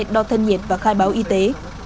đo thân nhiệt và khai báo y tế